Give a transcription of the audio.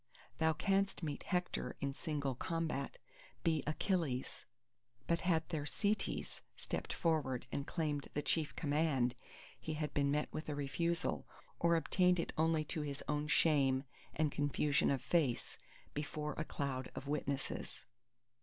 "Thou canst meet Hector in single combat; be Achilles!" "But had Thersites stepped forward and claimed the chief command, he had been met with a refusal, or obtained it only to his own shame and confusion of face, before a cloud of witnesses."